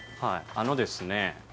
あのですね